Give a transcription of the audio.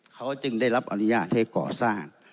เขาจึงได้รับอนุญาตให้ก่อสร้าง